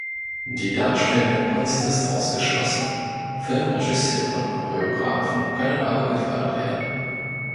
Die darstellende Kunst ist ausgeschlossen, Filmregisseure und Choreografen können aber gefördert werden.